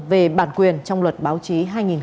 về bản quyền trong luật báo chí hai nghìn một mươi